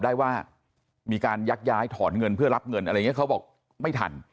ไปว่ามีการยักษ์ย้ายถอนเงินเพื่อรับเงินนี้เขาบอกไม่ทัน